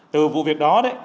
từ vụ việc đó đấy